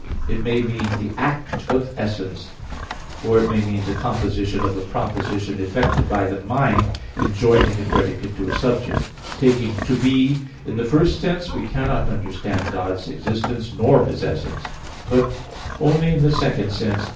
It may mean the act of essence, or it may mean the composition of a proposition effected by the mind in joining a predicate to a subject. Taking "to be" in the first sense, we cannot understand God's existence nor His essence; but only in the second sense.